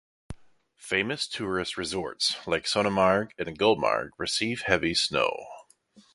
Famous tourist resorts like Sonamarg and Gulmarg receive heavy snow.